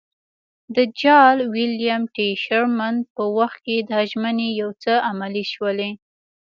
د جال ویلیم ټي شرمن په وخت کې دا ژمنې یو څه عملي شوې.